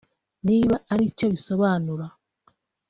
niba aricyo bisobanuye